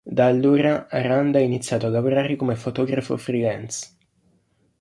Da allora, Aranda ha iniziato a lavorare come fotografo freelance.